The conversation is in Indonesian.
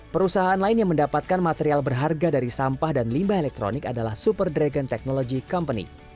perusahaan lain yang mendapatkan material berharga dari sampah dan limbah elektronik adalah super dragon technology company